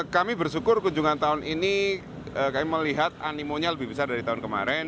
kami bersyukur kunjungan tahun ini kami melihat animonya lebih besar dari tahun kemarin